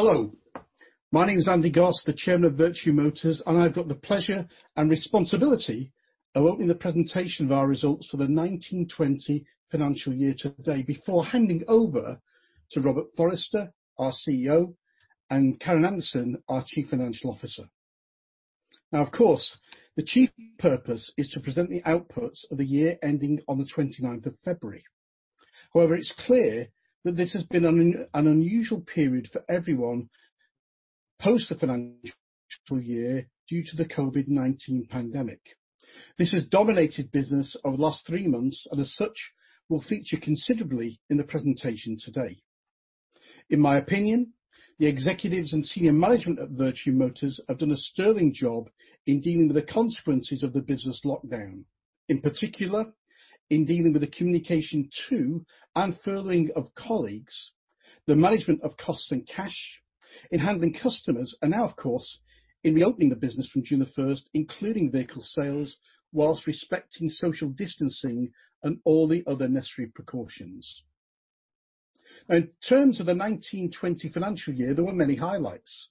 Hello. My name is Andy Goss, the chairman of Vertu Motors. I've got the pleasure and responsibility of opening the presentation of our results for the 2019/2020 financial year today, before handing over to Robert Forrester, our CEO, and Karen Anderson, our Chief Financial Officer. Of course, the chief purpose is to present the outputs of the year ending on the 29th of February. It's clear that this has been an unusual period for everyone post the financial year due to the COVID-19 pandemic. This has dominated business over the last three months, and as such, will feature considerably in the presentation today. In my opinion, the executives and senior management at Vertu Motors have done a sterling job in dealing with the consequences of the business lockdown. In particular, in dealing with the communication to unfurling of colleagues, the management of costs and cash, in handling customers, and now, of course, in the opening of business from July 1st, including vehicle sales, whilst respecting social distancing and all the other necessary precautions. In terms of the 19/20 financial year, there were many highlights.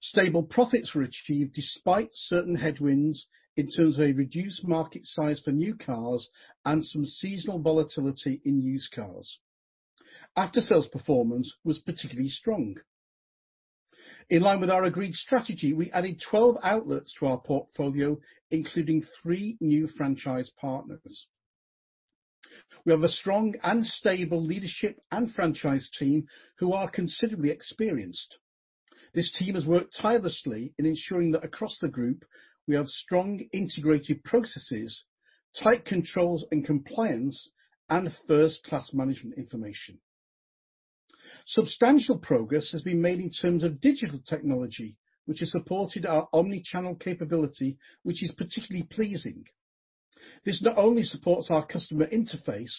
Stable profits were achieved despite certain headwinds in terms of a reduced market size for new cars and some seasonal volatility in used cars. After sales performance was particularly strong. In line with our agreed strategy, we added 12 outlets to our portfolio, including three new franchise partners. We have a strong and stable leadership and franchise team who are considerably experienced. This team has worked tirelessly in ensuring that across the Group, we have strong integrated processes, tight controls and compliance, and first-class management information. Substantial progress has been made in terms of digital technology, which has supported our omni-channel capability, which is particularly pleasing. This not only supports our customer interface,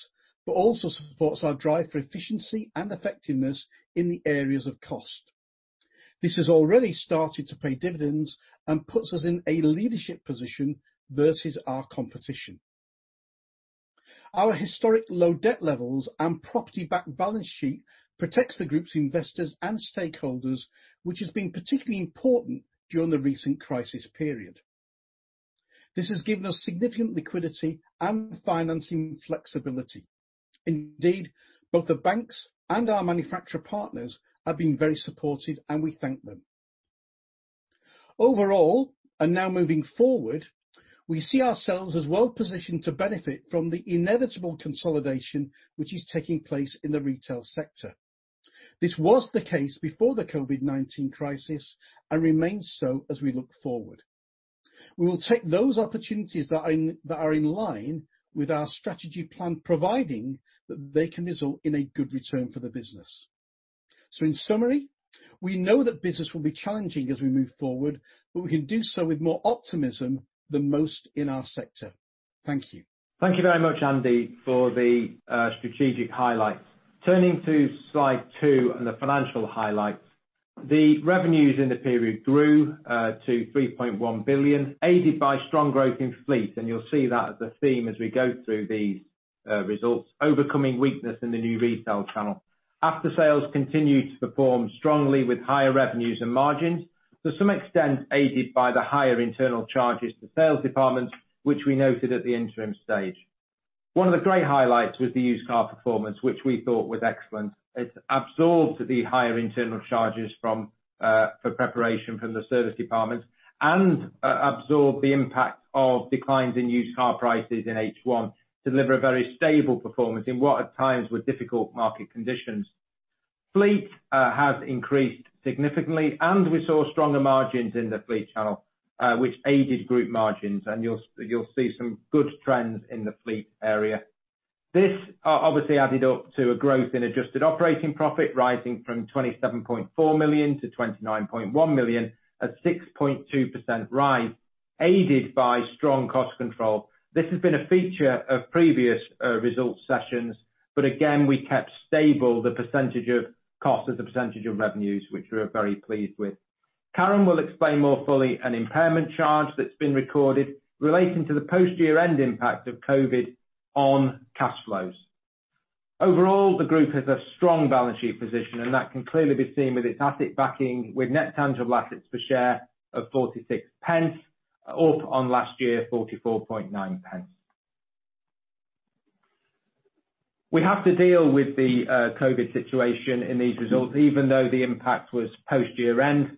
but also supports our drive for efficiency and effectiveness in the areas of cost. This has already started to pay dividends and puts us in a leadership position versus our competition. Our historic low debt levels and property-backed balance sheet protects the group's investors and stakeholders, which has been particularly important during the recent crisis period. This has given us significant liquidity and financing flexibility. Indeed, both the banks and our manufacturer partners have been very supportive, and we thank them. Overall, and now moving forward, we see ourselves as well-positioned to benefit from the inevitable consolidation which is taking place in the retail sector. This was the case before the COVID-19 crisis, and remains so as we look forward. We will take those opportunities that are in line with our strategy plan, providing that they can result in a good return for the business. In summary, we know that business will be challenging as we move forward, but we can do so with more optimism than most in our sector. Thank you. Thank you very much, Andy, for the strategic highlights. Turning to slide two and the financial highlights. The revenues in the period grew to 3.1 billion, aided by strong growth in fleet, and you'll see that as a theme as we go through these results, overcoming weakness in the new retail channel. Aftersales continued to perform strongly with higher revenues and margins to some extent aided by the higher internal charges to sales departments, which we noted at the interim stage. One of the great highlights was the used car performance, which we thought was excellent. It absorbed the higher internal charges for preparation from the service departments and absorbed the impact of declines in used car prices in H1 to deliver a very stable performance in what at times were difficult market conditions. Fleet has increased significantly. We saw stronger margins in the fleet channel, which aided Group margins. You'll see some good trends in the fleet area. This obviously added up to a growth in adjusted operating profit, rising from 27.4 million to 29.1 million, a 6.2% rise aided by strong cost control. This has been a feature of previous results sessions, but again, we kept stable the percentage of cost as a percentage of revenues, which we are very pleased with. Karen will explain more fully an impairment charge that's been recorded relating to the post-year-end impact of COVID-19 on cash flows. Overall, the Group has a strong balance sheet position, and that can clearly be seen with its asset backing, with net tangible assets per share of 0.46, up on last year, 0.449. We have to deal with the COVID-19 situation in these results, even though the impact was post year-end.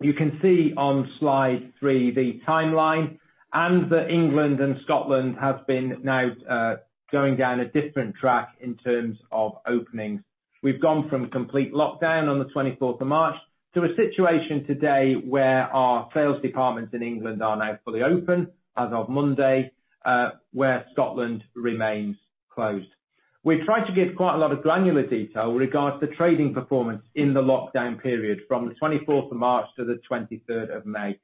You can see on slide three the timeline and that England and Scotland have been now going down a different track in terms of openings. We've gone from complete lockdown on the 24th of March to a situation today where our sales departments in England are now fully open as of Monday, where Scotland remains closed. We've tried to give quite a lot of granular detail regards to trading performance in the lockdown period from the 24th of March to the 23rd of May.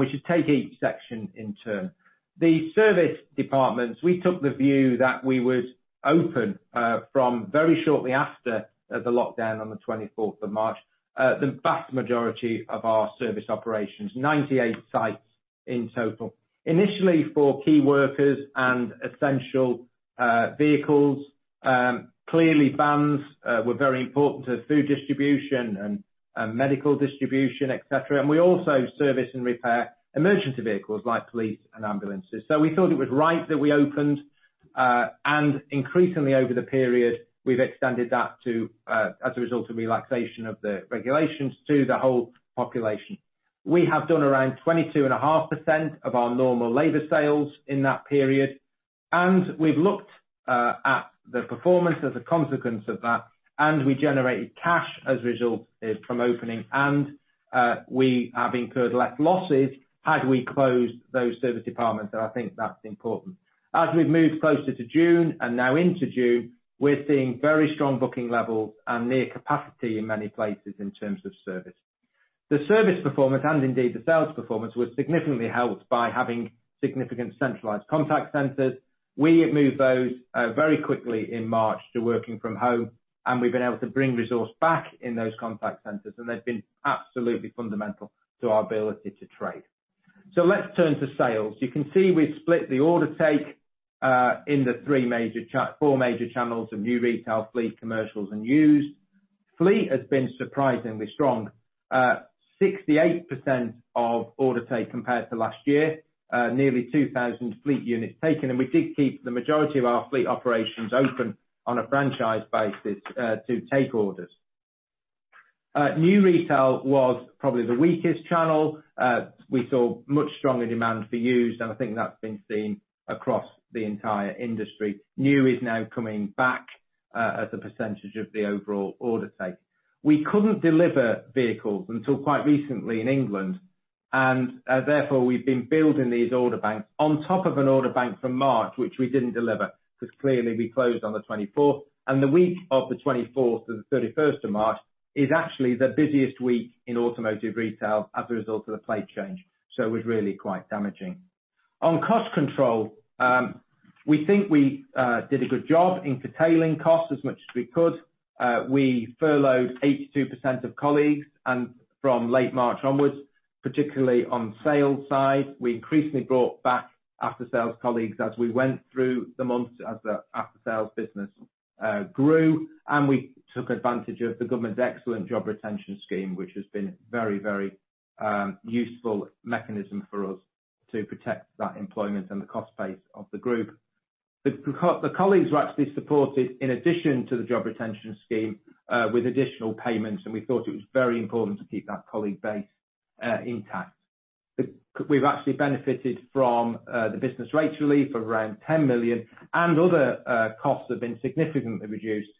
We should take each section in turn. The service departments, we took the view that we would open, from very shortly after the lockdown on the 24th of March, the vast majority of our service operations, 98 sites in total. Initially, for key workers and essential vehicles, clearly vans were very important to food distribution and medical distribution, et cetera. We also service and repair emergency vehicles like police and ambulances. We thought it was right that we opened, and increasingly over the period, we've extended that to, as a result of relaxation of the regulations, to the whole population. We have done around 22.5% of our normal labor sales in that period, and we've looked at the performance as a consequence of that, and we generated cash as a result from opening, and we have incurred less losses had we closed those service departments, and I think that's important. As we've moved closer to June and now into June, we're seeing very strong booking levels and near capacity in many places in terms of service. The service performance and indeed the sales performance was significantly helped by having significant centralized contact centers. We moved those very quickly in March to working from home, and we've been able to bring resource back in those contact centers, and they've been absolutely fundamental to our ability to trade. Let's turn to sales. You can see we've split the order take in the four major channels of new retail, fleet, commercials and used. Fleet has been surprisingly strong. 68% of order take compared to last year, nearly 2,000 fleet units taken, and we did keep the majority of our fleet operations open on a franchise basis to take orders. New retail was probably the weakest channel. We saw much stronger demand for used, and I think that's been seen across the entire industry. New is now coming back as a percentage of the overall order take. We couldn't deliver vehicles until quite recently in England, and therefore, we've been building these order banks on top of an order bank from March, which we didn't deliver because clearly we closed on the 24th. The week of the 24th to the 31st of March is actually the busiest week in automotive retail as a result of the plate change, so it was really quite damaging. On cost control, we think we did a good job in curtailing costs as much as we could. We furloughed 82% of colleagues, and from late March onwards, particularly on sales side, we increasingly brought back after-sales colleagues as we went through the months as the after-sales business grew, and we took advantage of the government's excellent job retention scheme, which has been very useful mechanism for us to protect that employment and the cost base of the Group. The colleagues were actually supported in addition to the job retention scheme, with additional payments. We thought it was very important to keep that colleague base intact. We've actually benefited from the business rates relief of around 10 million. Other costs have been significantly reduced,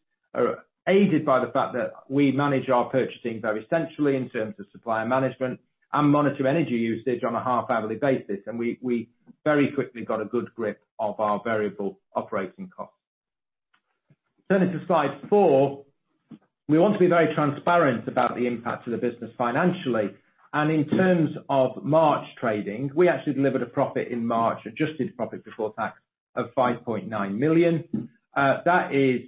aided by the fact that we manage our purchasing very centrally in terms of supplier management and monitor energy usage on a half-hourly basis. We very quickly got a good grip of our variable operating costs. Turning to slide four, we want to be very transparent about the impact to the business financially. In terms of March trading, we actually delivered an adjusted profit before tax of 5.9 million. That is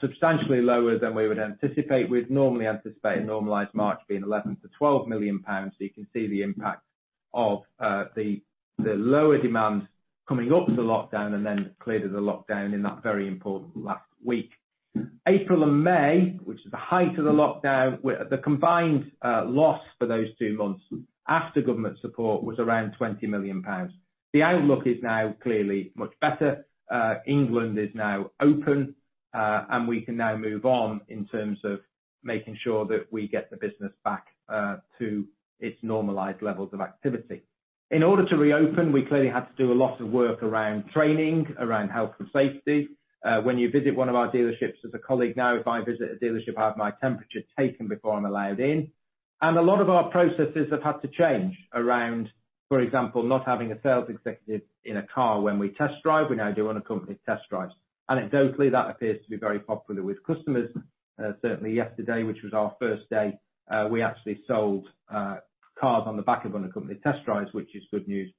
substantially lower than we would anticipate. We'd normally anticipate a normalized March being 11 million-12 million pounds. You can see the impact of the lower demand coming up to the lockdown and then clearly the lockdown in that very important last week. April and May, which is the height of the lockdown, the combined loss for those two months after government support was around 20 million pounds. The outlook is now clearly much better. England is now open, and we can now move on in terms of making sure that we get the business back to its normalized levels of activity. In order to reopen, we clearly had to do a lot of work around training, around health and safety. When you visit one of our dealerships as a colleague now, if I visit a dealership, I have my temperature taken before I'm allowed in. A lot of our processes have had to change around, for example, not having a sales executive in a car when we test drive. We now do unaccompanied test drives. Anecdotally, that appears to be very popular with customers. Certainly yesterday, which was our first day, we actually sold cars on the back of unaccompanied test drives, which is good news.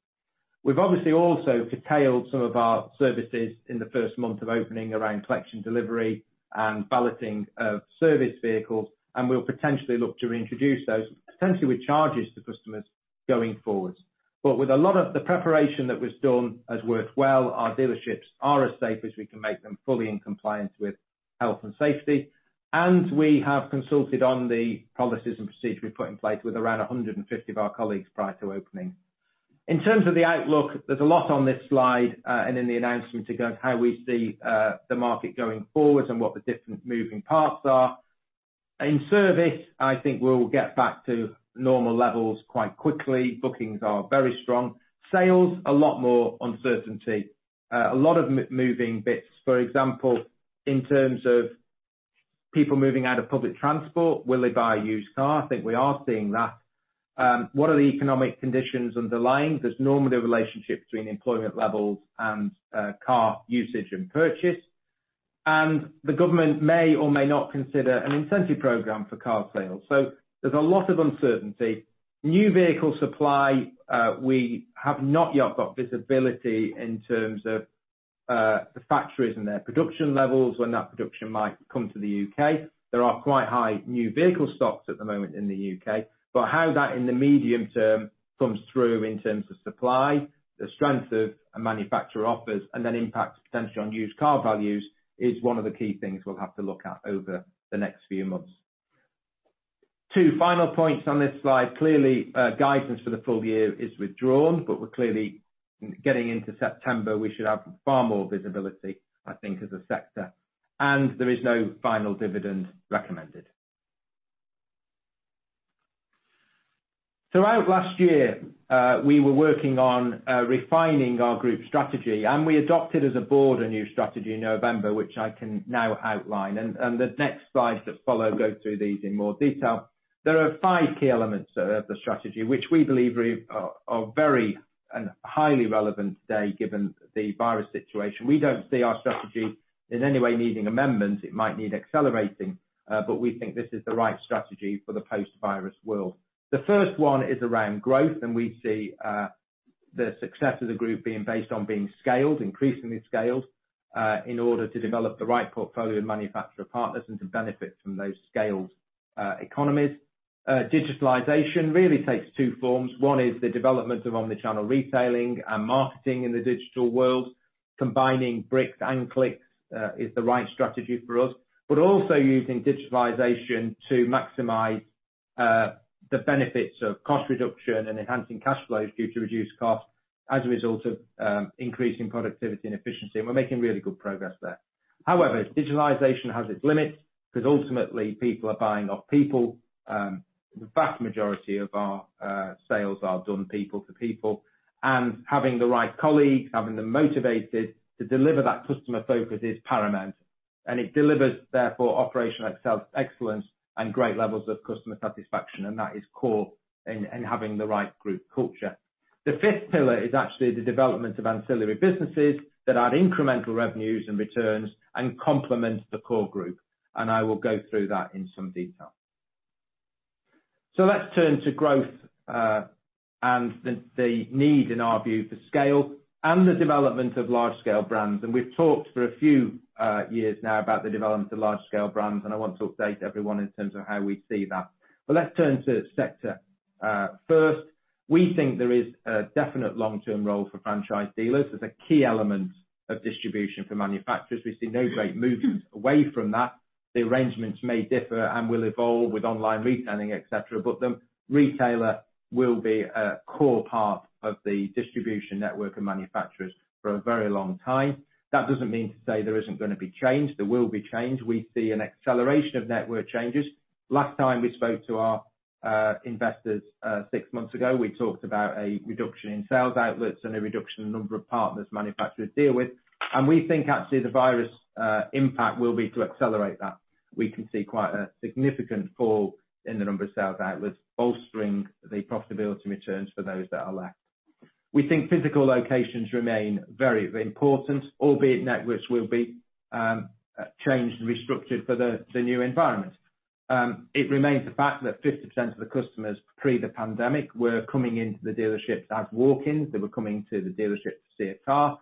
We've obviously also curtailed some of our services in the first month of opening around collection, delivery, and valeting of service vehicles, and we'll potentially look to reintroduce those, potentially with charges to customers going forward. With a lot of the preparation that was done has worked well. Our dealerships are as safe as we can make them, fully in compliance with health and safety. We have consulted on the policies and procedure we put in place with around 150 of our colleagues prior to opening. In terms of the outlook, there's a lot on this slide and in the announcement regarding how we see the market going forward and what the different moving parts are. In service, I think we'll get back to normal levels quite quickly. Bookings are very strong. Sales, a lot more uncertainty. A lot of moving bits. For example, in terms of people moving out of public transport, will they buy a used car? I think we are seeing that. What are the economic conditions underlying? There's normally a relationship between employment levels and car usage and purchase. The government may or may not consider an incentive program for car sales. There's a lot of uncertainty. New vehicle supply, we have not yet got visibility in terms of the factories and their production levels, when that production might come to the U.K. There are quite high new vehicle stocks at the moment in the U.K., but how that in the medium term comes through in terms of supply, the strength of manufacturer offers, and then impacts potentially on used car values, is one of the key things we'll have to look at over the next few months. Two final points on this slide. Clearly, guidance for the full year is withdrawn, we're clearly getting into September, we should have far more visibility, I think, as a sector. There is no final dividend recommended. Throughout last year, we were working on refining our group strategy, we adopted as a board a new strategy in November, which I can now outline. The next slides that follow go through these in more detail. There are five key elements of the strategy, which we believe are very and highly relevant today given the virus situation. We don't see our strategy in any way needing amendments. It might need accelerating, but we think this is the right strategy for the post-virus world. The first one is around growth, and we see the success of the Group being based on being scaled, increasingly scaled, in order to develop the right portfolio of manufacturer partners and to benefit from those scaled economies. Digitalization really takes two forms. One is the development of omnichannel retailing and marketing in the digital world. Combining bricks and clicks is the right strategy for us, but also using digitalization to maximize the benefits of cost reduction and enhancing cash flows due to reduced costs as a result of increasing productivity and efficiency. And we're making really good progress there. However, digitalization has its limits, because ultimately, people are buying off people. The vast majority of our sales are done people to people, having the right colleagues, having them motivated to deliver that customer focus is paramount. It delivers, therefore, operational excellence and great levels of customer satisfaction, and that is core in having the right Group culture. The fifth pillar is actually the development of ancillary businesses that add incremental revenues and returns and complement the core Group. I will go through that in some detail. Let's turn to growth and the need, in our view, for scale and the development of large-scale brands. We've talked for a few years now about the development of large-scale brands, I want to update everyone in terms of how we see that. Let's turn to sector. First, we think there is a definite long-term role for franchise dealers as a key element of distribution for manufacturers. We see no great movement away from that. The arrangements may differ and will evolve with online retailing, et cetera. The retailer will be a core part of the distribution network of manufacturers for a very long time. That doesn't mean to say there isn't going to be change. There will be change. We see an acceleration of network changes. Last time we spoke to our investors six months ago, we talked about a reduction in sales outlets and a reduction in the number of partners manufacturers deal with. We think actually the virus impact will be to accelerate that. We can see quite a significant fall in the number of sales outlets, bolstering the profitability returns for those that are left. We think physical locations remain very important, albeit networks will be changed and restructured for the new environment. It remains a fact that 50% of the customers pre the pandemic were coming into the dealerships as walk-ins. They were coming to the dealership to see a car.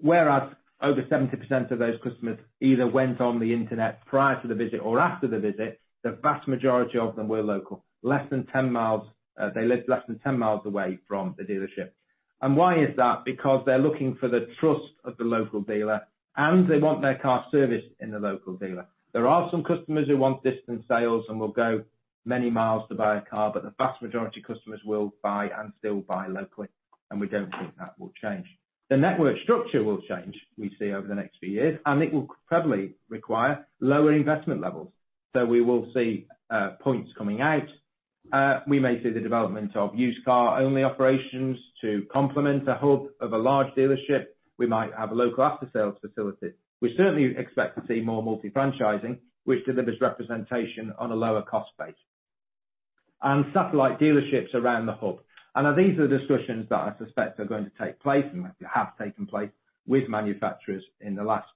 Whereas over 70% of those customers either went on the internet prior to the visit or after the visit, the vast majority of them were local. They lived less than 10 miles away from the dealership. Why is that? Because they're looking for the trust of the local dealer, and they want their car serviced in the local dealer. There are some customers who want distance sales and will go many miles to buy a car, but the vast majority of customers will buy and still buy locally, and we don't think that will change. The network structure will change, we see over the next few years, and it will probably require lower investment levels. We will see points coming out. We may see the development of used car only operations to complement a hub of a large dealership. We might have a local after-sales facility. We certainly expect to see more multi-franchising, which delivers representation on a lower cost base, and satellite dealerships around the hub. These are discussions that I suspect are going to take place and have taken place with manufacturers in the last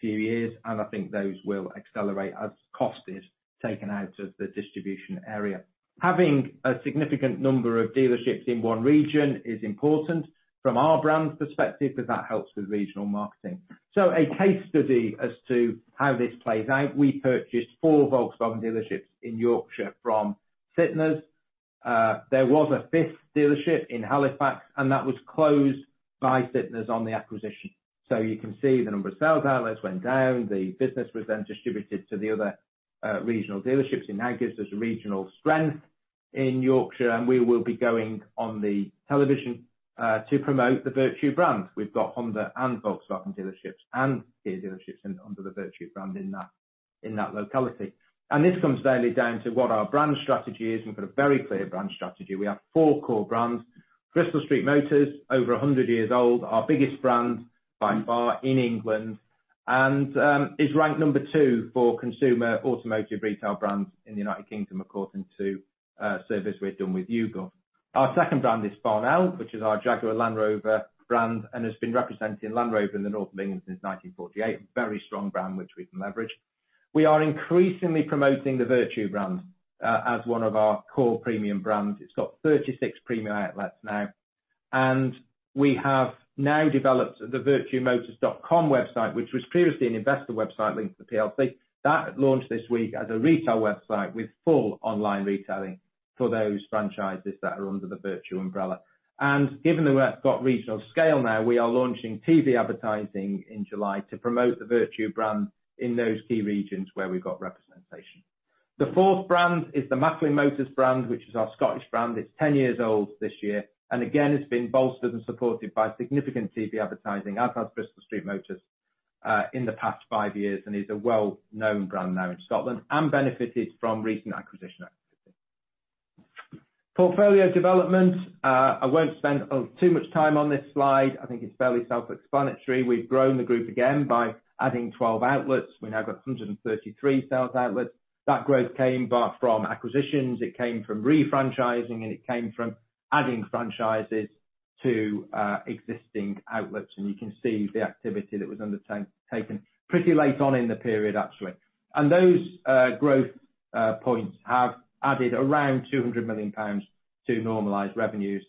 few years, and I think those will accelerate as cost is taken out of the distribution area. Having a significant number of dealerships in one region is important from our brand's perspective, because that helps with regional marketing. A case study as to how this plays out, we purchased four Volkswagen dealerships in Yorkshire from Sytner's. There was a fifth dealership in Halifax, that was closed by Sytner's on the acquisition. You can see the number of sales outlets went down. The business was distributed to the other regional dealerships. It now gives us regional strength in Yorkshire, we will be going on the television to promote the Vertu brands. We've got Honda and Volkswagen dealerships and Kia dealerships under the Vertu brand in that locality. This comes really down to what our brand strategy is, we've got a very clear brand strategy. We have four core brands, Bristol Street Motors, over 100 years old, our biggest brand by far in England, and is ranked number two for consumer automotive retail brands in the United Kingdom, according to a survey we've done with YouGov. Our second brand is Farnell, which is our Jaguar Land Rover brand, and has been representing Land Rover in the West Midlands since 1948. Very strong brand which we can leverage. We are increasingly promoting the Vertu brand as one of our core premium brands. It's got 36 premium outlets now, and we have now developed the VertuMotors.com website, which was previously an investor website linked to the PLC. That launched this week as a retail website with full online retailing for those franchises that are under the Vertu umbrella. Given that we have got regional scale now, we are launching TV advertising in July to promote the Vertu brand in those key regions where we've got representation. The fourth brand is the Macklin Motors brand, which is our Scottish brand. It's 10 years old this year, and again, it's been bolstered and supported by significant TV advertising, as has Bristol Street Motors in the past five years, and is a well-known brand now in Scotland and benefited from recent acquisition activity. Portfolio development, I won't spend too much time on this slide. I think it's fairly self-explanatory. We've grown the Group again by adding 12 outlets. We now got 133 sales outlets. That growth came from acquisitions, it came from re-franchising, and it came from adding franchises to existing outlets. You can see the activity that was undertaken pretty late on in the period, actually. Those growth points have added around 200 million pounds to normalized revenues.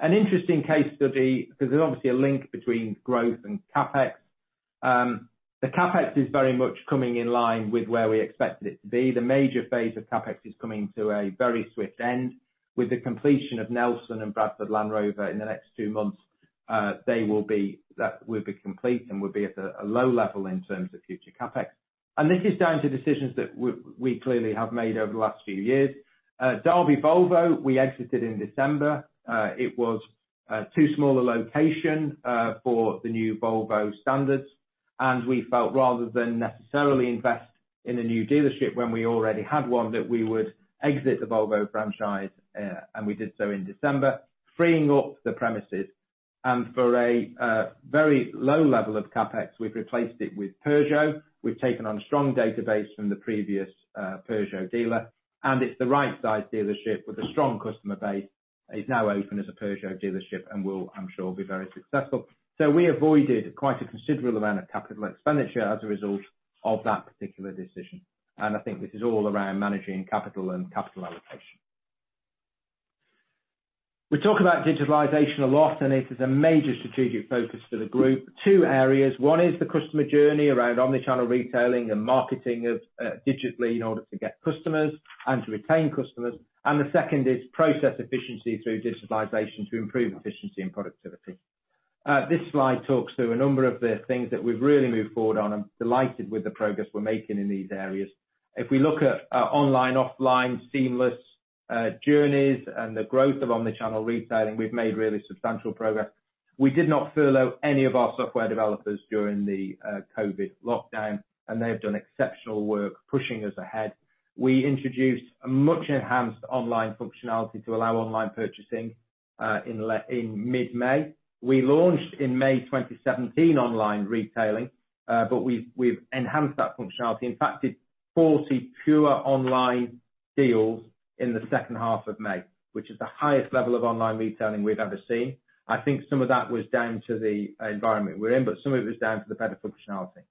An interesting case study, because there is obviously a link between growth and CapEx. The CapEx is very much coming in line with where we expected it to be. The major phase of CapEx is coming to a very swift end with the completion of Nelson and Bradford Land Rover in the next two months. That will be complete and will be at a low level in terms of future CapEx. This is down to decisions that we clearly have made over the last few years. Derby Volvo, we exited in December. It was too small a location for the new Volvo standards, and we felt rather than necessarily invest in a new dealership when we already had one, that we would exit the Volvo franchise, and we did so in December, freeing up the premises. For a very low level of CapEx, we've replaced it with Peugeot. We've taken on a strong database from the previous Peugeot dealer, and it's the right size dealership with a strong customer base. It's now open as a Peugeot dealership and will, I'm sure, be very successful. We avoided quite a considerable amount of capital expenditure as a result of that particular decision. I think this is all around managing capital and capital allocation. We talk about digitalization a lot, and it is a major strategic focus for the Group. Two areas. One is the customer journey around omni-channel retailing and marketing digitally in order to get customers and to retain customers. The second is process efficiency through digitalization to improve efficiency and productivity. This slide talks through a number of the things that we've really moved forward on. I'm delighted with the progress we're making in these areas. If we look at online, offline, seamless journeys, and the growth of omni-channel retailing, we've made really substantial progress. We did not furlough any of our software developers during the COVID lockdown, and they've done exceptional work pushing us ahead. We introduced a much-enhanced online functionality to allow online purchasing in mid-May. We launched in May 2017 online retailing, but we've enhanced that functionality. In fact, did 40 pure online deals in the second half of May, which is the highest level of online retailing we've ever seen. I think some of that was down to the environment we're in, but some of it was down to the better functionality.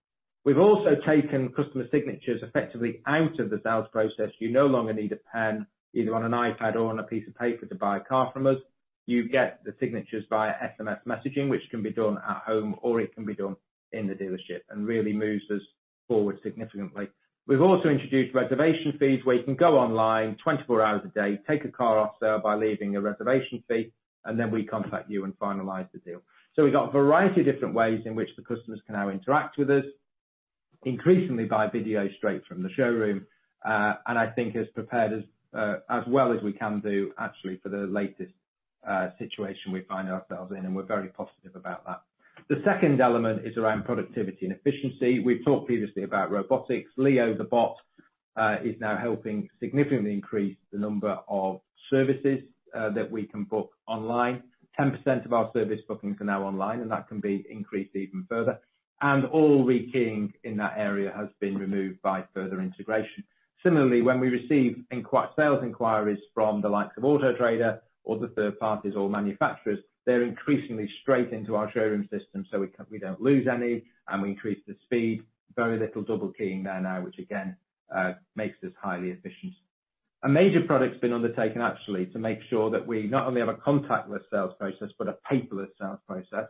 We've also taken customer signatures effectively out of the sales process. You no longer need a pen, either on an iPad or on a piece of paper to buy a car from us. You get the signatures via SMS messaging, which can be done at home, or it can be done in the dealership. Really moves us forward significantly. We've also introduced reservation fees where you can go online 24 hours a day, take a car off sale by leaving a reservation fee. Then we contact you and finalize the deal. We've got a variety of different ways in which the customers can now interact with us, increasingly by video straight from the showroom. I think has prepared us as well as we can do, actually, for the latest situation we find ourselves in. We're very positive about that. The second element is around productivity and efficiency. We've talked previously about robotics. Leo the bot is now helping significantly increase the number of services that we can book online. 10% of our service bookings are now online, and that can be increased even further. All rekeying in that area has been removed by further integration. Similarly, when we receive sales inquiries from the likes of Auto Trader or the third parties or manufacturers, they're increasingly straight into our showroom system, so we don't lose any, and we increase the speed. Very little double keying there now, which again, makes us highly efficient. A major project's been undertaken, actually, to make sure that we not only have a contactless sales process, but a paperless sales process.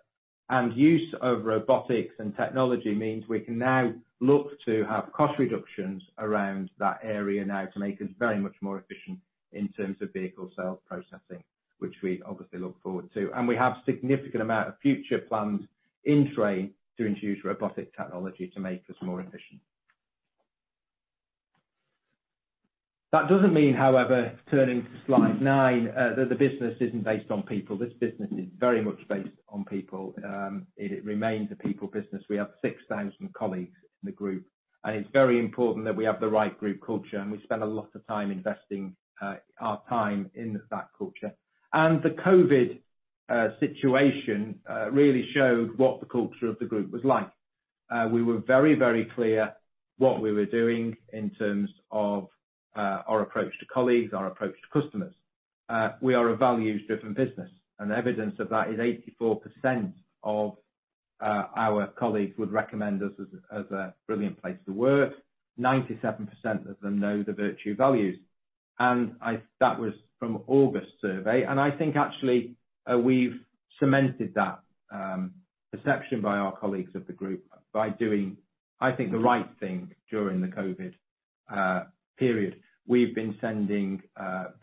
Use of robotics and technology means we can now look to have cost reductions around that area now to make us very much more efficient in terms of vehicle sales processing, which we obviously look forward to. We have significant amount of future plans in tray to introduce robotic technology to make us more efficient. That doesn't mean, however, turning to slide nine, that the business isn't based on people. This business is very much based on people. It remains a people business. We have 6,000 colleagues in the Group, and it's very important that we have the right Group culture, and we spend a lot of time investing our time into that culture. The COVID situation really showed what the culture of the Group was like. We were very clear what we were doing in terms of our approach to colleagues, our approach to customers. We are a values-driven business, evidence of that is 84% of our colleagues would recommend us as a brilliant place to work. 97% of them know the Vertu values. That was from August survey. I think, actually, we've cemented that perception by our colleagues of the group by doing, I think, the right thing during the COVID period. We've been sending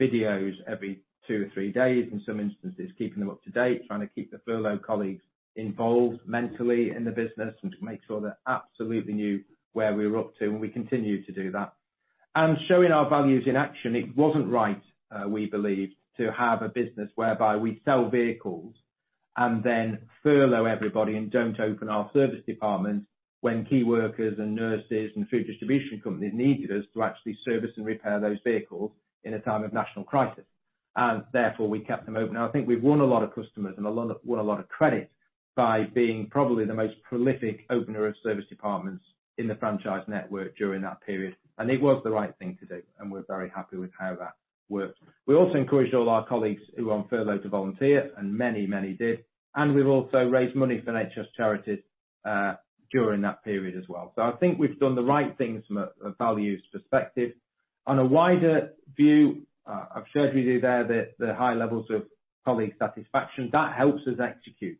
videos every two or three days, in some instances, keeping them up to date, trying to keep the furloughed colleagues involved mentally in the business, and to make sure they absolutely knew where we were up to, and we continue to do that. Showing our values in action, it wasn't right, we believed, to have a business whereby we sell vehicles and then furlough everybody and don't open our service departments when key workers and nurses and food distribution companies needed us to actually service and repair those vehicles in a time of national crisis. Therefore, we kept them open. I think we've won a lot of customers and won a lot of credit by being probably the most prolific opener of service departments in the franchise network during that period. It was the right thing to do, and we're very happy with how that worked. We also encouraged all our colleagues who were on furlough to volunteer, and many, many did. We've also raised money for NHS charities during that period as well. I think we've done the right thing from a values perspective. On a wider view, I've showed you there the high levels of colleague satisfaction. That helps us execute.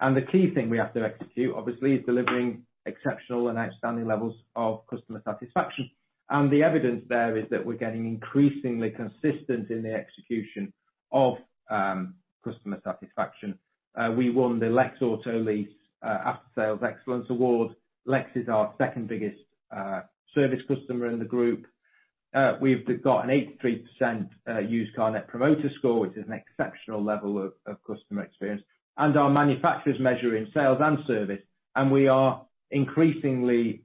The key thing we have to execute, obviously, is delivering exceptional and outstanding levels of customer satisfaction. The evidence there is that we're getting increasingly consistent in the execution of customer satisfaction. We won the Lex Autolease Aftersales Excellence Award. Lex is our second-biggest service customer in the Group. We've got an 83% Used Car Net Promoter Score, which is an exceptional level of customer experience, our manufacturers measure in sales and service, we are increasingly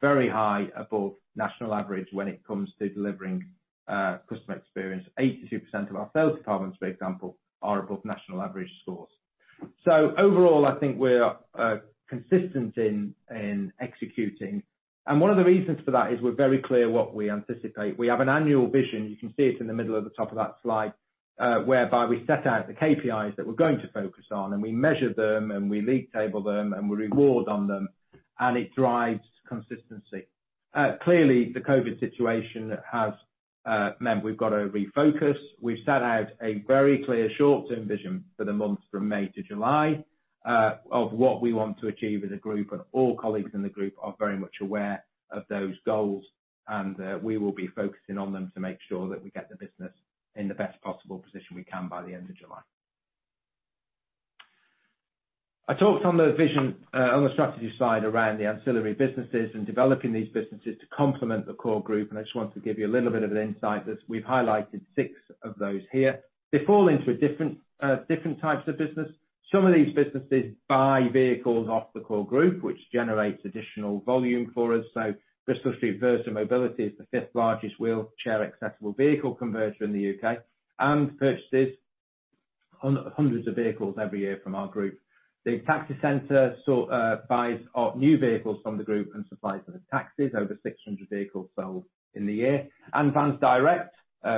very high above national average when it comes to delivering customer experience. 82% of our sales departments, for example, are above national average scores. Overall, I think we're consistent in executing. One of the reasons for that is we're very clear what we anticipate. We have an annual vision, you can see it in the middle of the top of that slide, whereby we set out the KPIs that we're going to focus on, and we measure them, and we league table them, and we reward on them, and it drives consistency. Clearly, the COVID situation has meant we've got to refocus. We've set out a very clear short-term vision for the months from May to July of what we want to achieve as a group. All colleagues in the group are very much aware of those goals. We will be focusing on them to make sure that we get the business in the best possible position we can by the end of July. I talked on the vision on the strategy side around the ancillary businesses and developing these businesses to complement the core group. I just want to give you a little bit of an insight that we've highlighted six of those here. They fall into different types of business. Some of these businesses buy vehicles off the core group, which generates additional volume for us. Bristol Street Versa Mobility is the fifth largest wheelchair-accessible vehicle converter in the U.K. and purchases hundreds of vehicles every year from our group. The Taxi Centre buys new vehicles from the group and supplies them with taxis, over 600 vehicles sold in the year. Vansdirect,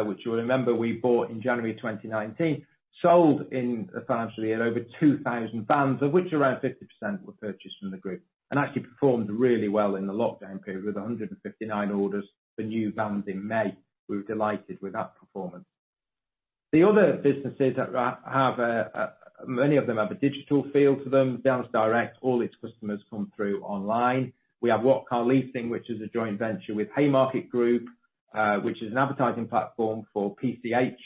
which you'll remember we bought in January 2019, sold in the financial year over 2,000 vans, of which around 50% were purchased from the Group and actually performed really well in the lockdown period with 159 orders for new vans in May. We were delighted with that performance. The other businesses, many of them have a digital feel to them. Vansdirect, all its customers come through online. We have What Car? Leasing, which is a joint venture with Haymarket Group, which is an advertising platform for PCH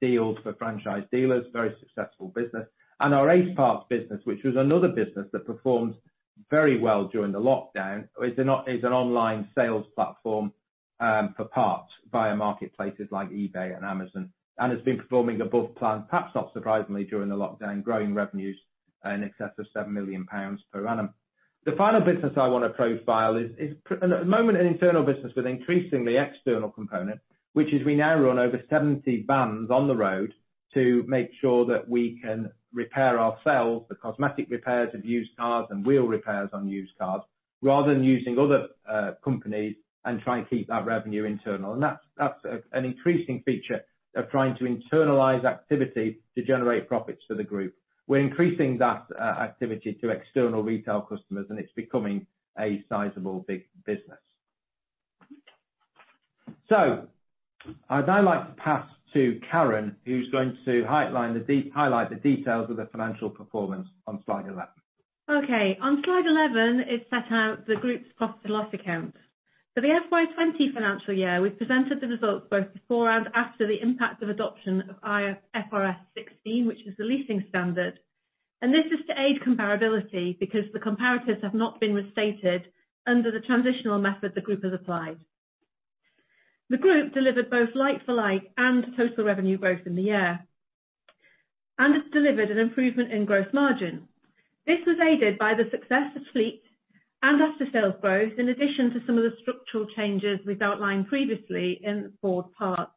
deals for franchise dealers, very successful business. Our AceParts business, which was another business that performed very well during the lockdown, is an online sales platform for parts via marketplaces like eBay and Amazon and has been performing above plan, perhaps not surprisingly, during the lockdown, growing revenues in excess of 7 million pounds per annum. The final business I want to profile is at the moment an internal business with increasingly external component, which is we now run over 70 vans on the road to make sure that we can repair ourselves, the cosmetic repairs of used cars and wheel repairs on used cars, rather than using other companies and try and keep that revenue internal. That's an increasing feature of trying to internalize activity to generate profits for the Group. We're increasing that activity to external retail customers, and it's becoming a sizable, big business. I'd now like to pass to Karen, who's going to highlight the details of the financial performance on slide 11. On slide 11, it set out the Group's profit and loss account. For the FY 2020 financial year, we presented the results both before and after the impact of adoption of IFRS 16, which is the leasing standard. This is to aid comparability because the comparatives have not been restated under the transitional method the Group has applied. The Group delivered both like-for-like and total revenue growth in the year and has delivered an improvement in gross margin. This was aided by the success of fleet and aftersales growth, in addition to some of the structural changes we've outlined previously in the four parts.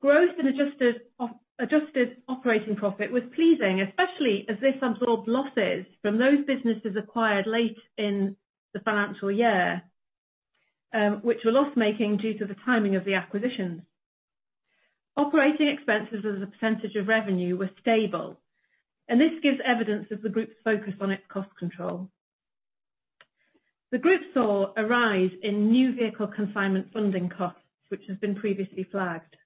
Group adjusted operating profit was pleasing, especially as this absorbed losses from those businesses acquired late in the financial year, which were loss-making due to the timing of the acquisitions. Operating expenses as a percentage of revenue were stable, and this gives evidence of the Group's focus on its cost control. The Group saw a rise in new vehicle consignment funding costs, which has been previously flagged,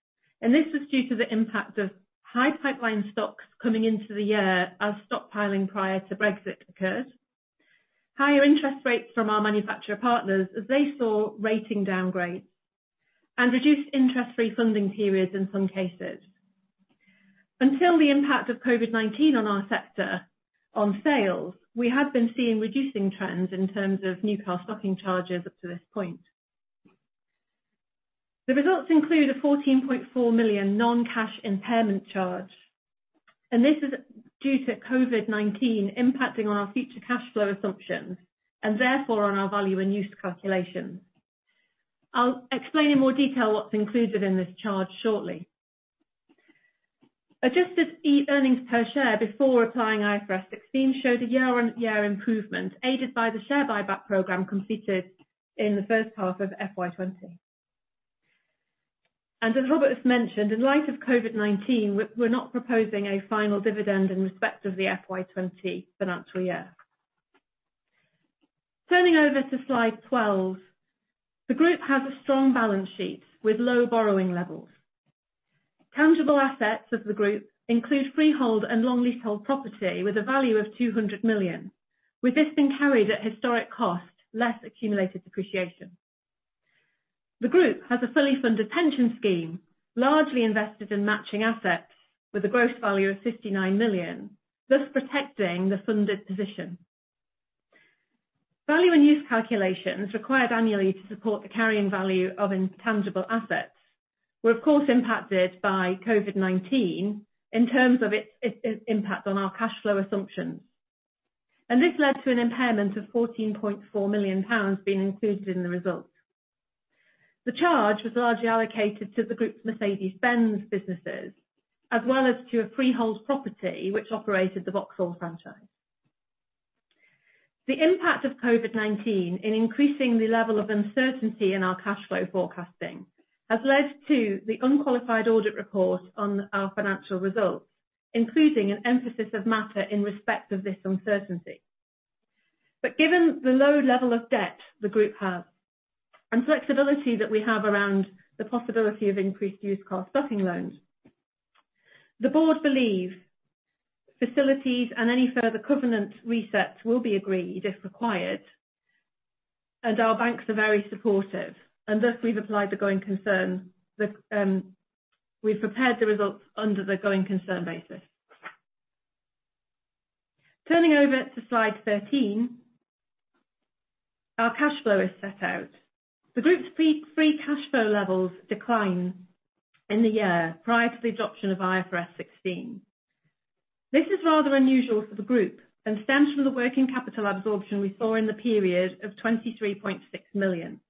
and this was due to the impact of high pipeline stocks coming into the year as stockpiling prior to Brexit occurred, higher interest rates from our manufacturer partners as they saw rating downgrades, and reduced interest-free funding periods in some cases. Until the impact of COVID-19 on our sector on sales, we had been seeing reducing trends in terms of new car stocking charges up to this point. The results include a 14.4 million non-cash impairment charge, and this is due to COVID-19 impacting on our future cash flow assumptions, and therefore on our value and use calculations. I'll explain in more detail what's included in this charge shortly. Adjusted earnings per share before applying IFRS 16 showed a year-on-year improvement, aided by the share buyback program completed in the first half of FY 2020. As Robert has mentioned, in light of COVID-19, we're not proposing a final dividend in respect of the FY 2020 financial year. Turning over to slide 12. The Group has a strong balance sheet with low borrowing levels. Tangible assets of the Group include freehold and long leasehold property with a value of 200 million. With this being carried at historic cost, less accumulated depreciation. The Group has a fully funded pension scheme, largely invested in matching assets with a gross value of 59 million, thus protecting the funded position. Value and use calculations required annually to support the carrying value of intangible assets were, of course, impacted by COVID-19 in terms of its impact on our cash flow assumptions. This led to an impairment of 14.4 million pounds being included in the results. The charge was largely allocated to the Group's Mercedes-Benz businesses as well as to a freehold property which operated the Vauxhall franchise. The impact of COVID-19 in increasing the level of uncertainty in our cash flow forecasting has led to the unqualified audit report on our financial results, including an emphasis of matter in respect of this uncertainty. Given the low level of debt the Group has and flexibility that we have around the possibility of increased used car stocking loans, the board believe facilities and any further covenant resets will be agreed if required, and our banks are very supportive, thus we've prepared the results under the going concern basis. Turning over to slide 13. Our cash flow is set out. The Group's free cash flow levels decline in the year prior to the adoption of IFRS 16. This is rather unusual for the Group and stems from the working capital absorption we saw in the period of 23.6 million.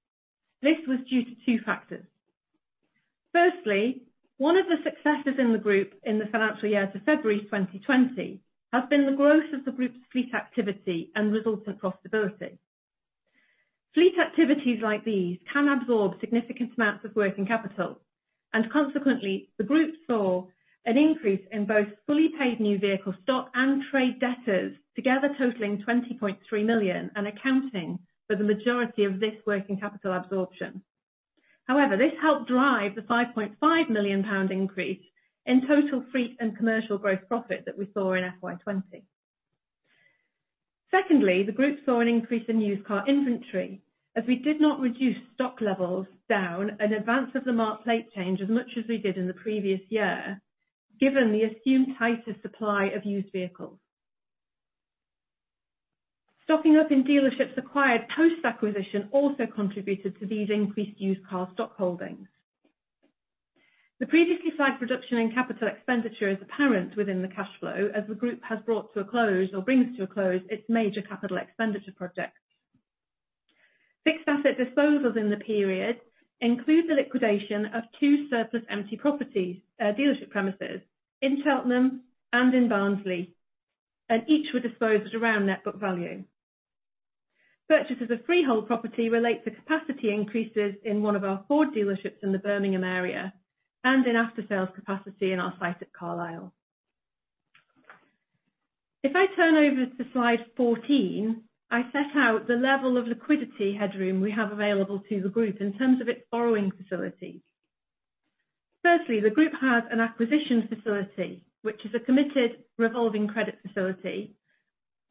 This was due to two factors. Firstly, one of the successes in the Group in the financial year to February 2020 has been the growth of the Group's fleet activity and resultant profitability. Fleet activities like these can absorb significant amounts of working capital, and consequently, the Group saw an increase in both fully paid new vehicle stock and trade debtors, together totaling 20.3 million and accounting for the majority of this working capital absorption. However, this helped drive the 5.5 million pound increase in total fleet and commercial growth profit that we saw in FY 2020. Secondly, the Group saw an increase in used car inventory as we did not reduce stock levels down in advance of the marked plate change as much as we did in the previous year, given the assumed tighter supply of used vehicles. Stocking up in dealerships acquired post-acquisition also contributed to these increased used car stock holdings. The previously flagged reduction in capital expenditure is apparent within the cash flow as the Group has brought to a close or brings to a close its major capital expenditure projects. Fixed asset disposals in the period include the liquidation of two surplus empty dealership premises in Cheltenham and in Barnsley, and each were disposed at around net book value. Purchases of freehold property relate to capacity increases in one of our Ford dealerships in the Birmingham area and in after-sales capacity in our site at Carlisle. If I turn over to slide 14, I set out the level of liquidity headroom we have available to the Group in terms of its borrowing facility. Firstly, the Group has an acquisition facility, which is a committed revolving credit facility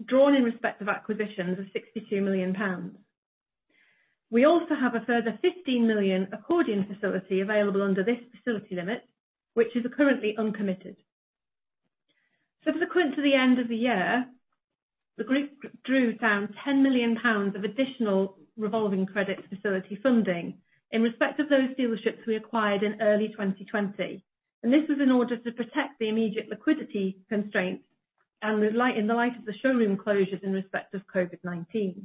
drawn in respect of acquisitions of 62 million pounds. We also have a further 15 million accordion facility available under this facility limit, which is currently uncommitted. Subsequent to the end of the year, the Group drew down 10 million pounds of additional revolving credit facility funding in respect of those dealerships we acquired in early 2020, and this was in order to protect the immediate liquidity constraints in the light of the showroom closures in respect of COVID-19.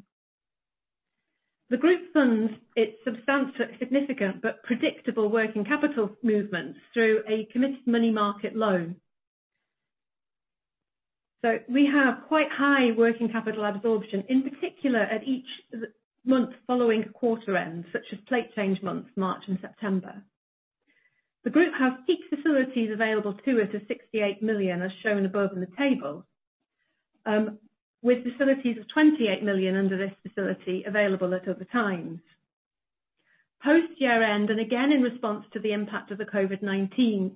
The Group funds its substantial, significant, but predictable working capital movements through a committed money market loan. We have quite high working capital absorption, in particular at each month following quarter end, such as plate change months, March and September. The Group have peak facilities available to us of 68 million, as shown above in the table, with facilities of 28 million under this facility available at other times. Post year-end, in response to the impact of the COVID-19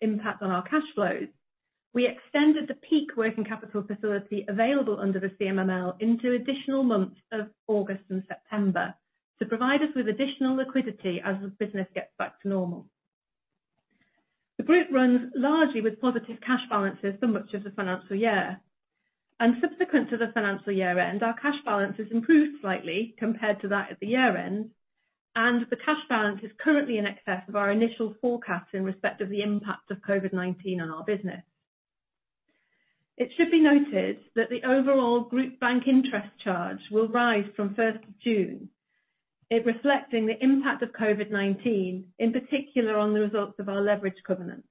impact on our cash flows, we extended the peak working capital facility available under the CMML into additional months of August and September to provide us with additional liquidity as the business gets back to normal. The Group runs largely with positive cash balances for much of the financial year. Subsequent to the financial year-end, our cash balances improved slightly compared to that at the year-end, and the cash balance is currently in excess of our initial forecast in respect of the impact of COVID-19 on our business. It should be noted that the overall Group bank interest charge will rise from 1st of June, it reflecting the impact of COVID-19, in particular, on the results of our leverage covenants.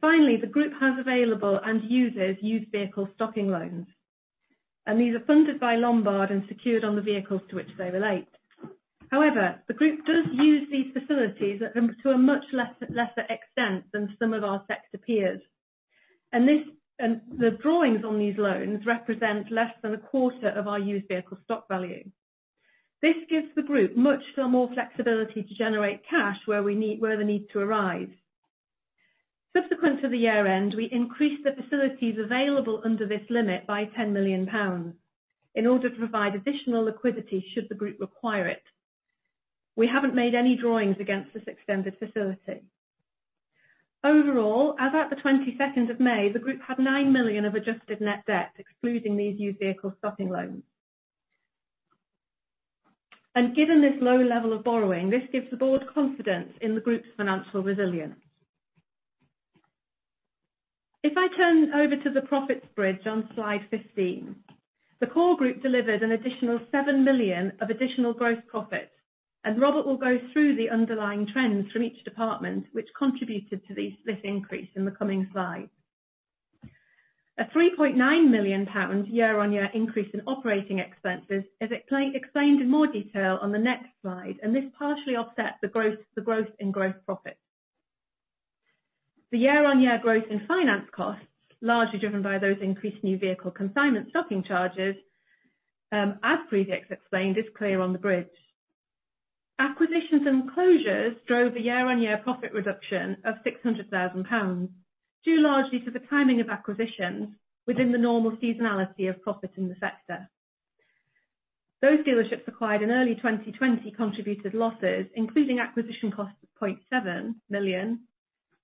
Finally, the Group has available and uses used vehicle stocking loans, and these are funded by Lombard and secured on the vehicles to which they relate. However, the Group does use these facilities to a much lesser extent than some of our sector peers. The drawings on these loans represent less than a quarter of our used vehicle stock value. This gives the Group much more flexibility to generate cash where they need to arise. Subsequent to the year-end, we increased the facilities available under this limit by 10 million pounds in order to provide additional liquidity should the Group require it. We haven't made any drawings against this extended facility. Overall, as at the 22nd of May, the Group had 9 million of adjusted net debt excluding these used vehicle stocking loans. Given this low level of borrowing, this gives the board confidence in the Group's financial resilience. If I turn over to the profits bridge on slide 15. The core Group delivered an additional 7 million of additional gross profits, and Robert will go through the underlying trends from each department which contributed to this increase in the coming slides. A 3.9 million pounds year-on-year increase in operating expenses is explained in more detail on the next slide, and this partially offsets the growth in gross profits. The year-on-year growth in finance costs, largely driven by those increased new vehicle consignment stocking charges, as previously explained, is clear on the bridge. Acquisitions and closures drove a year-on-year profit reduction of 600,000 pounds, due largely to the timing of acquisitions within the normal seasonality of profit in the sector. Those dealerships acquired in early 2020 contributed losses, including acquisition costs of 0.7 million,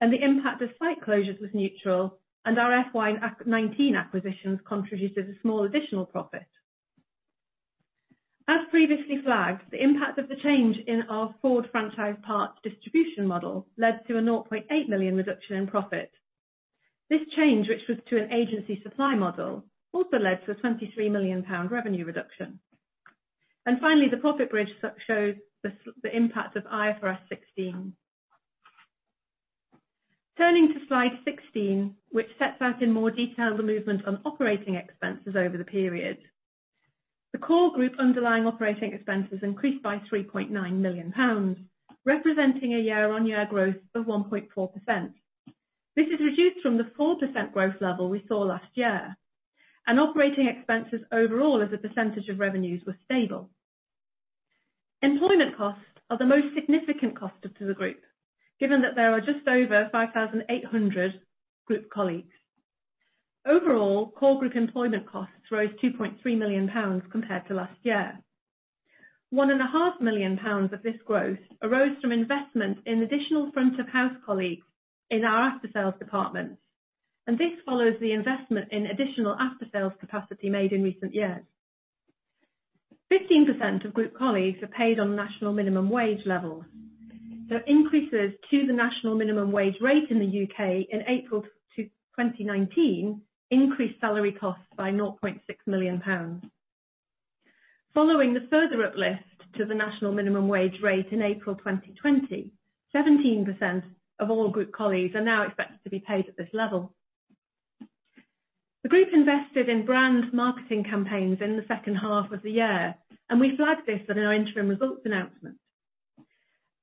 and the impact of site closures was neutral, and our FY 2019 acquisitions contributed a small additional profit. As previously flagged, the impact of the change in our Ford franchise parts distribution model led to a 0.8 million reduction in profit. This change, which was to an agency supply model, also led to a 23 million pound revenue reduction. Finally, the profit bridge shows the impact of IFRS 16. Turning to slide 16, which sets out in more detail the movement on operating expenses over the period. The core Group underlying operating expenses increased by 3.9 million pounds, representing a year-over-year growth of 1.4%. This is reduced from the 4% growth level we saw last year. Operating expenses overall as a percentage of revenues were stable. Employment costs are the most significant cost to the Group, given that there are just over 5,800 Group colleagues. Overall, core Group employment costs rose 2.3 million pounds compared to last year. One and a half million GBP of this growth arose from investment in additional front-of-house colleagues in our after-sales departments. This follows the investment in additional after-sales capacity made in recent years. 15% of Group colleagues are paid on national minimum wage levels. Increases to the national minimum wage rate in the U.K. in April 2019 increased salary costs by 0.6 million pounds. Following the further uplift to the national minimum wage rate in April 2020, 17% of all Group colleagues are now expected to be paid at this level. The Group invested in brand marketing campaigns in the second half of the year, and we flagged this at our interim results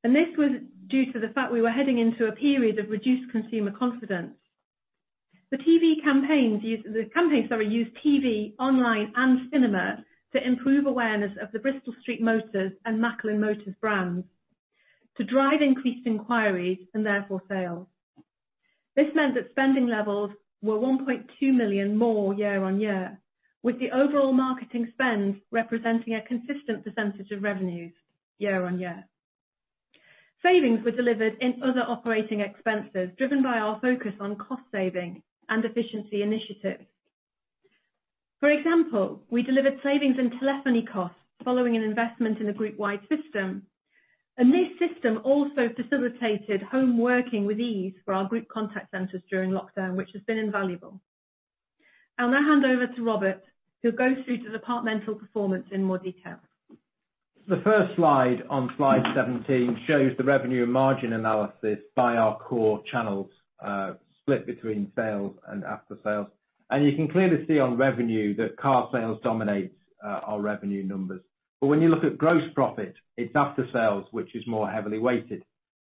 announcement. This was due to the fact we were heading into a period of reduced consumer confidence. The campaigns used TV, online, and cinema to improve awareness of the Bristol Street Motors and Macklin Motors brands to drive increased inquiries and therefore sales. This meant that spending levels were 1.2 million more year-on-year, with the overall marketing spend representing a consistent percentage of revenues year-on-year. Savings were delivered in other operating expenses, driven by our focus on cost saving and efficiency initiatives. For example, we delivered savings in telephony costs following an investment in a Group-wide system. This system also facilitated home working with ease for our Group contact centers during lockdown, which has been invaluable. I'll now hand over to Robert, who'll go through the departmental performance in more detail. The first slide on slide 17 shows the revenue margin analysis by our core channels, split between sales and aftersales. You can clearly see on revenue that car sales dominates our revenue numbers. When you look at gross profit, it's aftersales which is more heavily weighted.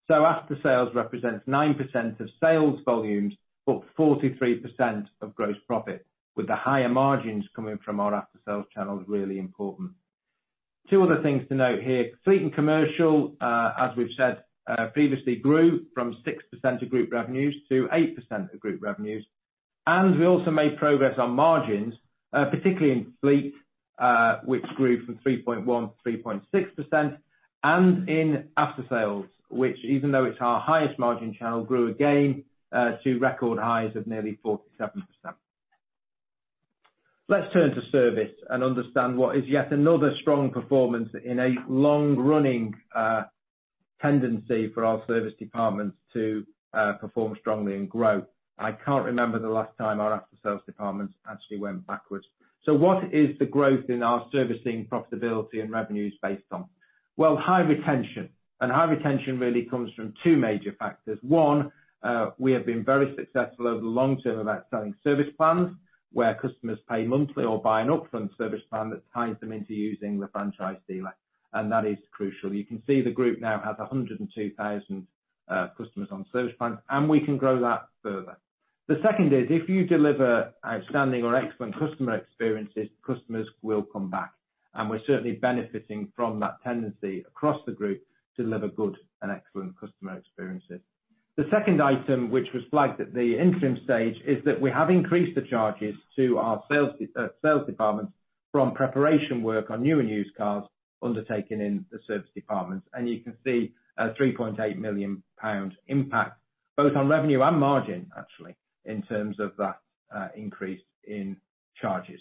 Aftersales represents 9% of sales volumes, but 43% of gross profit, with the higher margins coming from our aftersales channel is really important. Two other things to note here, fleet and commercial, as we've said previously, grew from 6% of Group revenues to 8% of Group revenues. We also made progress on margins, particularly in fleet, which grew from 3.1% to 3.6%, and in aftersales, which even though it's our highest margin channel, grew again to record highs of nearly 47%. Let's turn to service and understand what is yet another strong performance in a long-running tendency for our service departments to perform strongly and grow. I can't remember the last time our aftersales departments actually went backwards. What is the growth in our servicing profitability and revenues based on? Well, high retention. High retention really comes from two major factors. One, we have been very successful over the long term about selling service plans, where customers pay monthly or buy an upfront service plan that ties them into using the franchise dealer, and that is crucial. You can see the Group now has 102,000 customers on service plans, and we can grow that further. The second is if you deliver outstanding or excellent customer experiences, customers will come back. We're certainly benefiting from that tendency across the Group to deliver good and excellent customer experiences. The second item, which was flagged at the interim stage, is that we have increased the charges to our sales departments from preparation work on new and used cars undertaken in the service departments. You can see a 3.8 million pound impact both on revenue and margin, actually, in terms of that increase in charges.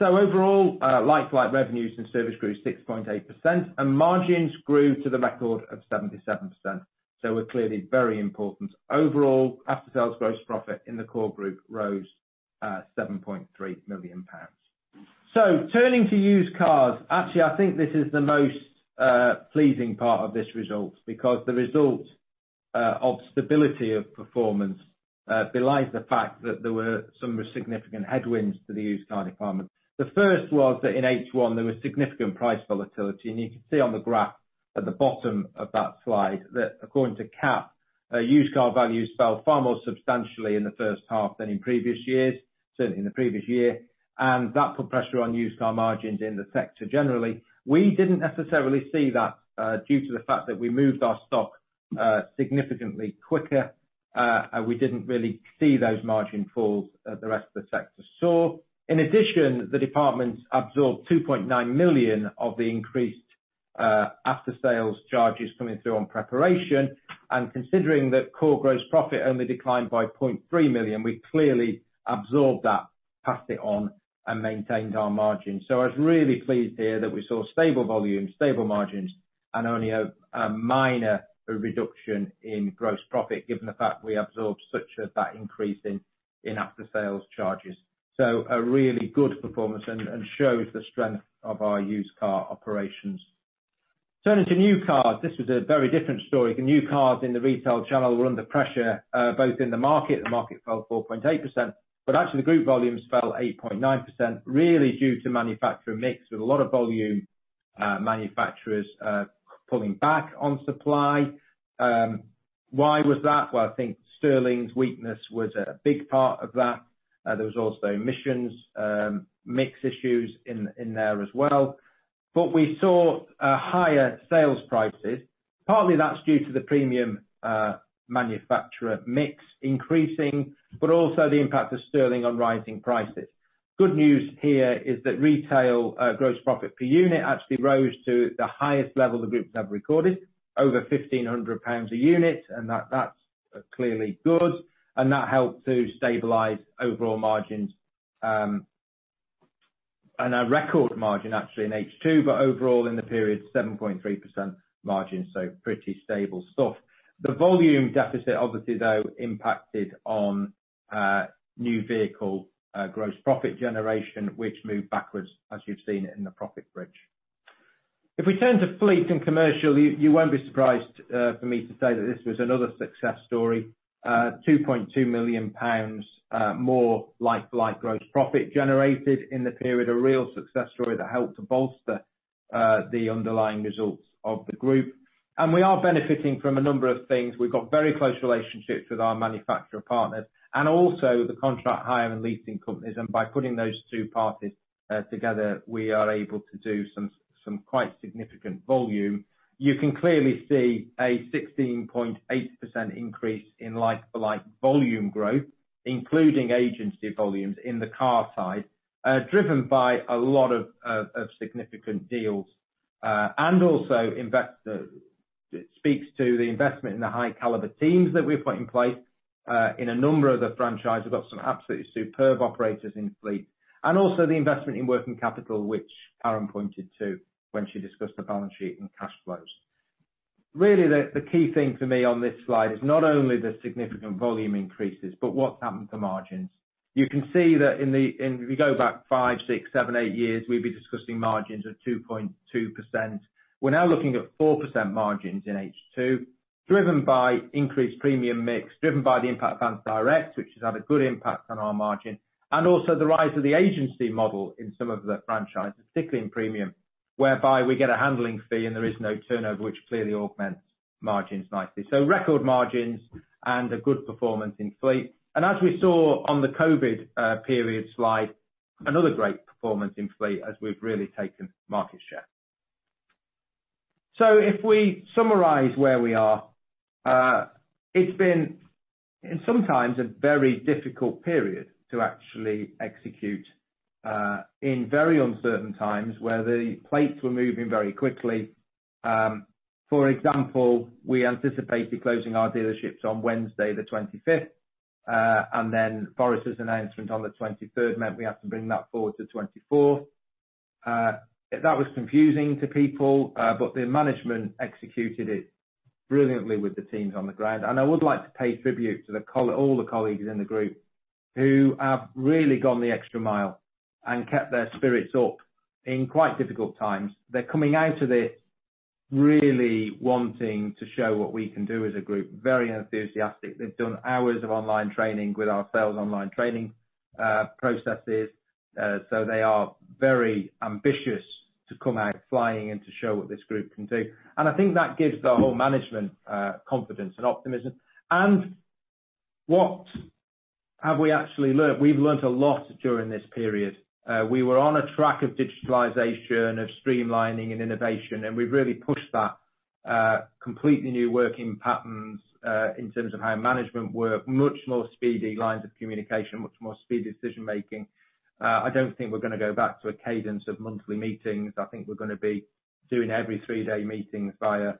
Overall, like-for-like revenues in service grew 6.8% and margins grew to the record of 77%. Overall, aftersales gross profit in the core Group rose 7.3 million pounds. Turning to used cars, actually, I think this is the most pleasing part of this result because the result of stability of performance belies the fact that there were some significant headwinds to the used car department. The first was that in H1 there was significant price volatility. You can see on the graph at the bottom of that slide that according to CAP, used car values fell far more substantially in the first half than in previous years, certainly in the previous year. That put pressure on used car margins in the sector generally. We didn't necessarily see that due to the fact that we moved our stock significantly quicker, we didn't really see those margin falls that the rest of the sector saw. In addition, the departments absorbed 2.9 million of the increased aftersales charges coming through on preparation. Considering that core gross profit only declined by 0.3 million, we clearly absorbed that, passed it on and maintained our margin. I was really pleased here that we saw stable volumes, stable margins and only a minor reduction in gross profit given the fact we absorbed such as that increase in aftersales charges. A really good performance and shows the strength of our used car operations. Turning to new cars, this was a very different story. The new cars in the retail channel were under pressure, both in the market, the market fell 4.8%, actually the Group volumes fell 8.9%, really due to manufacturer mix with a lot of volume manufacturers pulling back on supply. Why was that? I think sterling's weakness was a big part of that. There was also emissions mix issues in there as well. We saw higher sales prices. Partly that's due to the premium manufacturer mix increasing, but also the impact of sterling on rising prices. Good news here is that retail gross profit per unit actually rose to the highest level the group's ever recorded, over 1,500 pounds a unit and that's clearly good and that helped to stabilize overall margins. A record margin actually in H2, but overall in the period 7.3% margin, so pretty stable stuff. The volume deficit obviously though impacted on new vehicle gross profit generation which moved backwards as you've seen in the profit bridge. If we turn to fleet and commercial, you won't be surprised for me to say that this was another success story. 2.2 million pounds more like-to-like gross profit generated in the period, a real success story that helped to bolster the underlying results of the group. We are benefiting from a number of things. We've got very close relationships with our manufacturer partners and also the contract hire and leasing companies and by putting those two parties together, we are able to do some quite significant volume. You can clearly see a 16.8% increase in like-to-like volume growth, including agency volumes in the car side, driven by a lot of significant deals. Also speaks to the investment in the high caliber teams that we've put in place in a number of the franchise. We've got some absolutely superb operators in fleet. Also the investment in working capital, which Karen pointed to when she discussed the balance sheet and cash flows. Really, the key thing for me on this slide is not only the significant volume increases, but what's happened to margins. You can see that if you go back five, six, seven, eight years, we'd be discussing margins of 2.2%. We're now looking at 4% margins in H2, driven by increased premium mix, driven by the impact of Vansdirect, which has had a good impact on our margin, and also the rise of the agency model in some of the franchises, particularly in premium, whereby we get a handling fee and there is no turnover, which clearly augments margins nicely. Record margins and a good performance in fleet. As we saw on the COVID period slide, another great performance in fleet as we've really taken market share. If we summarize where we are, it's been sometimes a very difficult period to actually execute in very uncertain times where the plates were moving very quickly. For example, we anticipated closing our dealerships on Wednesday the 25th, and then Boris's announcement on the 23rd meant we had to bring that forward to 24th. That was confusing to people. The management executed it brilliantly with the teams on the ground. I would like to pay tribute to all the colleagues in the group who have really gone the extra mile and kept their spirits up in quite difficult times. They're coming out of this really wanting to show what we can do as a group, very enthusiastic. They've done hours of online training with our sales online training processes. They are very ambitious to come out flying and to show what this group can do. I think that gives the whole management confidence and optimism. What have we actually learned? We've learned a lot during this period. We were on a track of digitalization, of streamlining and innovation, and we've really pushed that completely new working patterns, in terms of how management work, much more speedy lines of communication, much more speedy decision-making. I don't think we're going to go back to a cadence of monthly meetings. I think we're going to be doing every three-day meetings via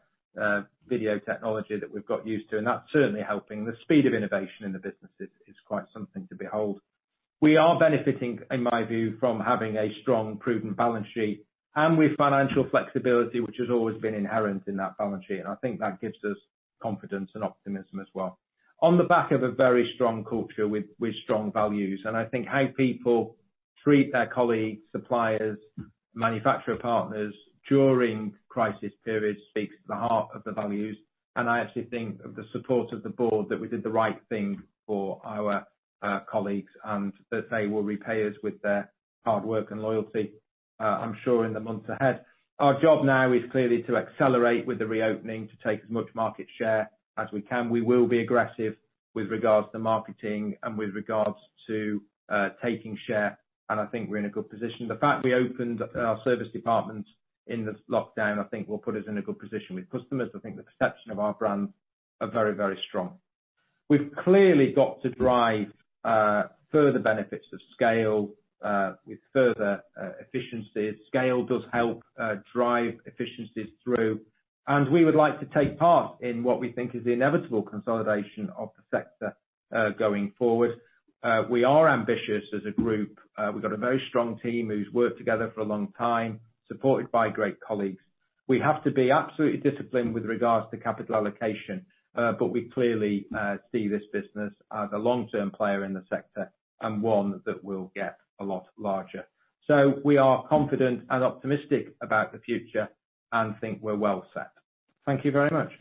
video technology that we've got used to, and that's certainly helping. The speed of innovation in the business is quite something to behold. We are benefiting, in my view, from having a strong, prudent balance sheet and with financial flexibility, which has always been inherent in that balance sheet. I think that gives us confidence and optimism as well. On the back of a very strong culture with strong values. I think how people treat their colleagues, suppliers, manufacturer partners during crisis periods speaks to the heart of the values. I actually think of the support of the board that we did the right thing for our colleagues and that they will repay us with their hard work and loyalty, I'm sure, in the months ahead. Our job now is clearly to accelerate with the reopening, to take as much market share as we can. We will be aggressive with regards to marketing and with regards to taking share, and I think we're in a good position. The fact we opened our service departments in the lockdown, I think will put us in a good position with customers. I think the perception of our brand are very, very strong. We've clearly got to drive further benefits of scale with further efficiencies. Scale does help drive efficiencies through, and we would like to take part in what we think is the inevitable consolidation of the sector going forward. We are ambitious as a Group. We've got a very strong team who's worked together for a long time, supported by great colleagues. We have to be absolutely disciplined with regards to capital allocation, but we clearly see this business as a long-term player in the sector and one that will get a lot larger. We are confident and optimistic about the future and think we're well set. Thank you very much.